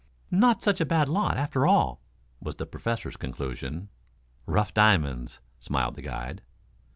"Not such a bad lot, after all," was the Professor's conclusion. "Rough diamonds," smiled the guide.